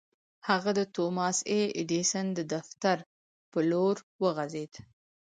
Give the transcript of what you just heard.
هغه د توماس اې ايډېسن د دفتر پر لور وخوځېد.